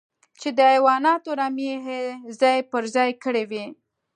چې د حيواناتو رمې يې ځای پر ځای کړې وې.